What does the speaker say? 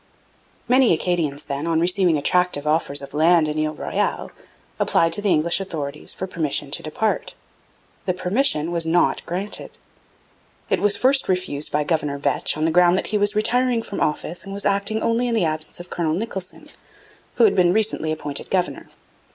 Many Acadians, then, on receiving attractive offers of land in Ile Royale, applied to the English authorities for permission to depart. The permission was not granted. It was first refused by Governor Vetch on the ground that he was retiring from office and was acting only in the absence of Colonel Nicholson, who had been recently appointed governor.